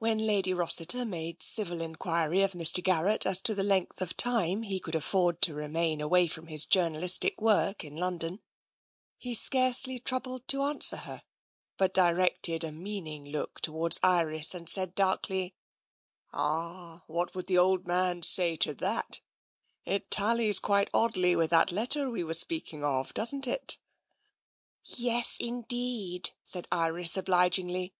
123 124 TENSION When Lady Rossiter made civil enquiry of Mr. Garrett as to the length of time he could afford to remain away from his journalistic work in London, he scarcely troubled to answer her, but directed a meaning look towards Iris and said darkly: " Ah, what would the old man say to thatf It tallies quite oddly with that letter we were speaking of, doesn't it?'' "Yes, indeed," said Iris obligingly.